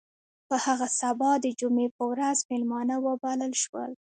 په هغه سبا د جمعې په ورځ میلمانه وبلل شول.